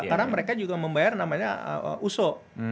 karena mereka juga membayar namanya uso